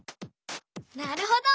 なるほど。